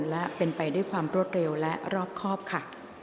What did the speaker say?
และเป็นไปด้วยความรวดเร็วและรอบครอบค่ะ